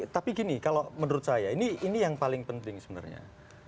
tapi gini kalau menurut saya ini yang paling penting sebenarnya